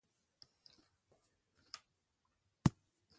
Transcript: Mbʌk emi abaña idʌñ ita ekekereke ikọd ekop ikọd etefia mme ikọd ntuen.